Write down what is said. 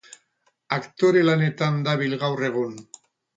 Aktore lanetan dabil gaur egun.